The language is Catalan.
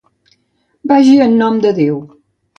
Vagi en nom de Déu.